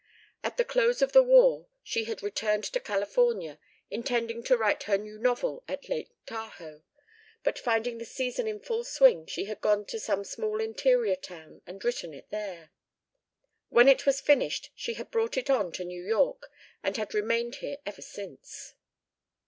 At the close of the war she had returned to California, intending to write her new novel at Lake Tahoe, but finding the season in full swing she had gone to some small interior town and written it there. When it was finished she had brought it on to New York and had remained here ever since.